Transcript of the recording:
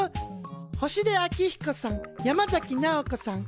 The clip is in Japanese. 星出彰彦さん山崎直子さん